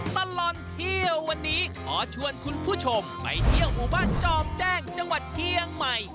ตลอดเที่ยววันนี้ขอชวนคุณผู้ชมไปเที่ยวหมู่บ้านจอมแจ้งจังหวัดเชียงใหม่